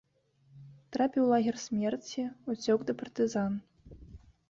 Трапіў у лагер смерці, уцёк да партызан.